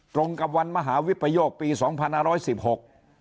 ตรงกับวันมหาวิปโยคปีสองพันห้าร้อยสิบหก